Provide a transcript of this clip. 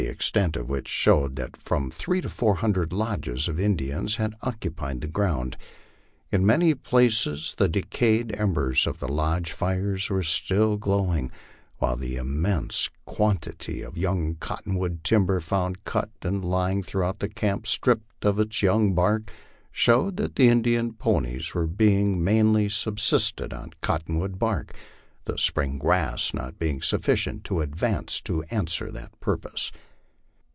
237 extent of which showed that from three to four hundred lodges of Indians had occupied the ground. In many places the deca} T ed embers of the lodge fires were still glowing; while the immense quantity of young cottonwood timber found cut and lying throughout the camp stripped of its young bark, showed that the Indian ponies were being mainly subsisted on coltonwood bark, the spring grass not being sufficiently advanced to answer the purpose.